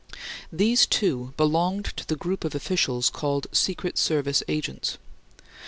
These two belonged to the group of officials called "secret service agents."